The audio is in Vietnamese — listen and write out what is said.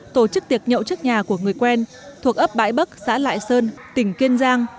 tổ chức tiệc nhậu trước nhà của người quen thuộc ấp bãi bắc xã lại sơn tỉnh kiên giang